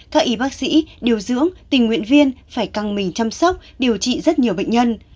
các y bác sĩ điều dưỡng tình nguyện viên phải căng mình chăm sóc điều trị rất nhiều bệnh nhân